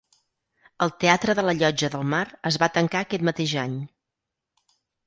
El teatre de la Llotja del Mar es va tancar aquest mateix any.